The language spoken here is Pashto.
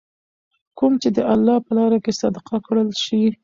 کوم چې د الله په لاره کي صدقه کړل شي .